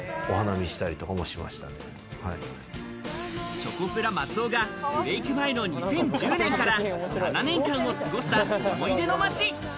チョコプラ・松尾がブレイク前の２０１０年から７年間を過ごした思い出の街。